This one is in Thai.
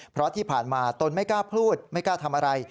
เพราะที่ผ่านมาตนไม่กล้าพูดไม่กล้าทำอะไร